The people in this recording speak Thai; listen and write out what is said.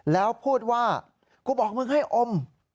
แล้วพูดว่ากูบอกมึงให้อม